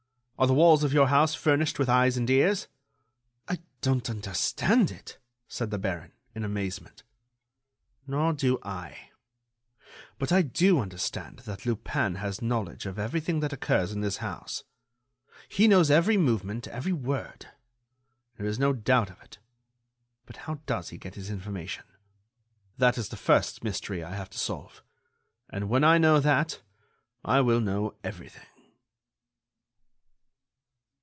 Are the walls of your house furnished with eyes and ears?" "I don't understand it," said the baron, in amazement. "Nor do I; but I do understand that Lupin has knowledge of everything that occurs in this house. He knows every movement, every word. There is no doubt of it. But how does he get his information? That is the first mystery I have to solve, and when I know that I will know everything."